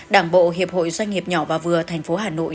đảng bộ hiệp hội doanh nghiệp nhỏ và vừa thành phố hà nội